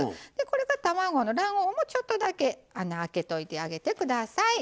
卵の卵黄もちょっとだけ穴開けといてあげて下さい。